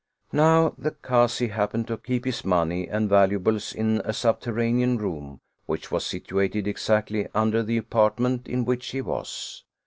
Now the Kazi happened to keep his money and valuables in a subterranean room which was situated exactly under the apartment in which he was.